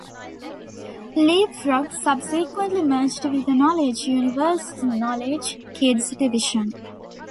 LeapFrog subsequently merged with Knowledge Universe's Knowledge Kids division.